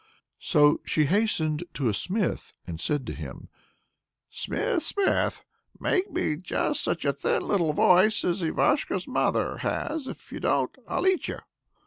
So she hastened to a smith and said to him: "Smith, smith! make me just such a thin little voice as Ivashko's mother has: if you don't, I'll eat you."